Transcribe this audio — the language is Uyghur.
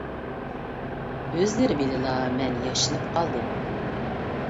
ئۆزلىرى بىلىلا، مەن ياشىنىپ قالدىم.